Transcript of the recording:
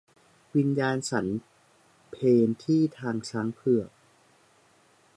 วิญญาณฉันเพลที่ทางช้างเผือก